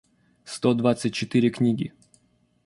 сто двадцать четыре книги